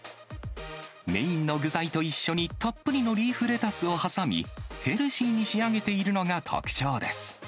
メインの具材と一緒にたっぷりのリーフレタスを挟み、ヘルシーに仕上げているのが特徴です。